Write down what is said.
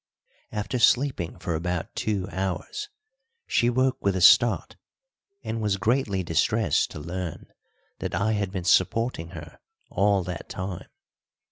After sleeping for about two hours she woke with a start, and was greatly distressed to learn that I had been supporting her all that time.